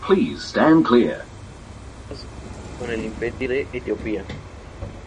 Tuvo contactos diplomáticos con el imperio de Etiopía.